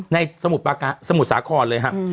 ในสมุดประกาศสมุดสาของเลยครับ